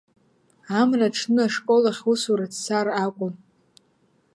Амра аҽны ашкол ахь усура дцар акәын.